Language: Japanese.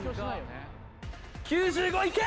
９５いけ！